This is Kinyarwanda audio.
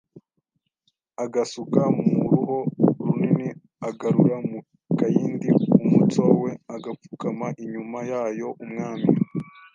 agasuka mu ruho runini agarura mu kaindi Umutsoe agapfukama inyuma yayo Umwami